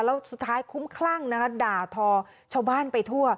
แล้วสุดท้ายคุ้มคลั่งนะคะด่าทอชาวบ้านไปทั่ว